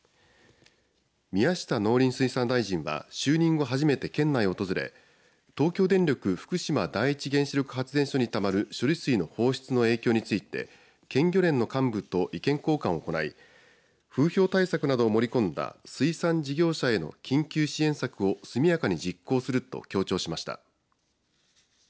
宮下農林水産大臣は就任後初めて県内を訪れ東京電力福島第一原子力発電所にたまる処理水の放出の影響について県漁連の幹部と意見交換を行い風評対策などを盛り込んだ水産事業者への緊急支援策を速やかに実行すると強調しました。